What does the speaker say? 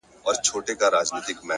هوډ د وېرې غږ کمزوری کوي؛